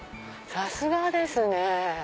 さすがですね。